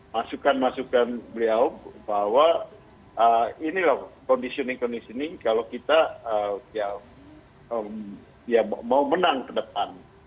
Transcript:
masukan masukan beliau bahwa inilah kondisional kondisional kalau kita mau menang ke depan